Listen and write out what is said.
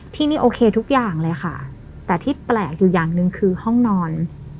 ที่นี่โอเคทุกอย่างเลยค่ะแต่ที่แปลกอยู่อย่างหนึ่งคือห้องนอน